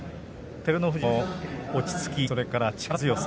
照ノ富士の落ち着き、それから力強さ